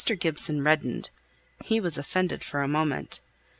Gibson reddened; he was offended for a moment.